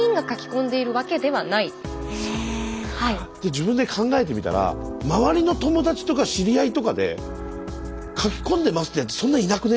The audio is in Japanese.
自分で考えてみたら周りの友達とか知り合いとかで書き込んでますってやつそんないなくね。